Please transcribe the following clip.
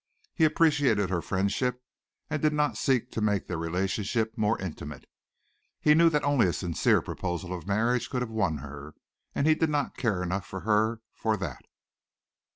He appreciated her friendship, and did not seek to make their relationship more intimate. He knew that only a sincere proposal of marriage could have won her, and he did not care enough for her for that.